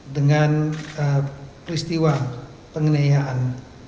dengan peristiwa pengenayaan